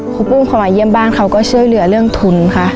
รูปุ้มพอมาเยี่ยมบ้านเขาก็ช่วยเหลือเรื่องทุนค่ะ